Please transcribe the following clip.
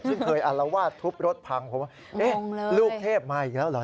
ซึ่งเคยอารวาสทุบรถพังผมว่าลูกเทพมาอีกแล้วเหรอ